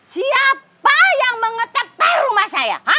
siapa yang mengetepai rumah saya